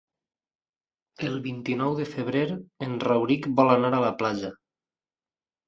El vint-i-nou de febrer en Rauric vol anar a la platja.